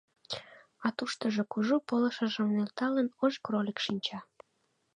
А туштыжо, кужу пылышыжым нӧлталын, ош кролик шинча.